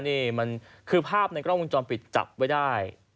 นี่มันคือภาพในกล้องวงจรปิดจับไว้ได้